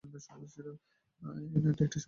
ইউনিয়নটি একটি সীমান্তবর্তী এলাকা।